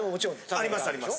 ありますあります。